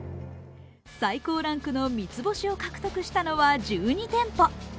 最高ランクの三つ星を獲得したのは１２店舗。